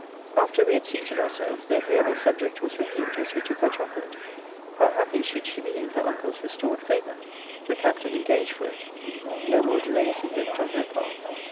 After we had seated ourselves, the agreeable subject was renewed, as we took our chocolate. How happy should she be in her uncle's restored favour! The Captain engaged for it No more delays, he hoped, on her part!